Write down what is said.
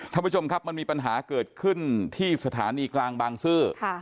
ท่านผู้ชมครับมันมีปัญหาเกิดขึ้นที่สถานีกลางบางซื่อ